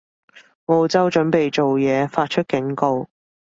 澳洲準備做嘢，發出警告